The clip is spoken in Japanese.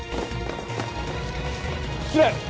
はい。